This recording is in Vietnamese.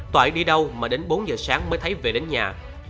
toải đi đâu mà đến bốn giờ sáng mới thấy về đến nhà